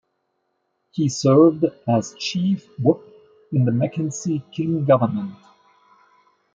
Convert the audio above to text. He served as Chief Whip in the Mackenzie King government.